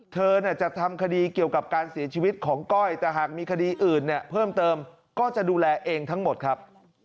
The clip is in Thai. เธอจะทำคดีเกี่ยวกับการเสียชีวิตของก้อยแต่หากมีคดีอื่นเนี่ยเพิ่มเติมก็จะดูแลเองทั้งหมดครับ